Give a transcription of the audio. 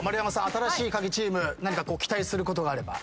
新しいカギチーム何か期待することがあれば。